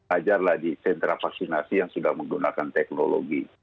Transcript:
ajarlah di sentra vaksinasi yang sudah menggunakan teknologi